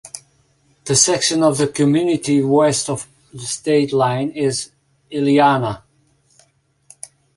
The section of the community west of the state line is Illiana.